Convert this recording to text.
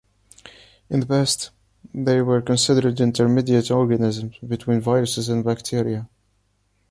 In the past, they were considered intermediate organisms between viruses and bacteria.